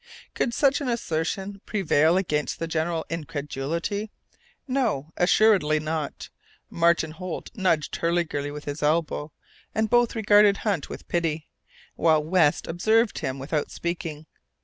Could such an assertion prevail against the general incredulity? No, assuredly not! Martin Holt nudged Hurliguerly with his elbow, and both regarded Hunt with pity, while West observed him without speaking.